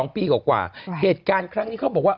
๒ปีกว่าเหตุการณ์ครั้งนี้เขาบอกว่า